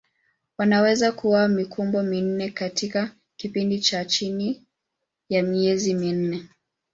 Wanaweza kuwa na mikumbo minne katika kipindi cha chini ya miezi minne.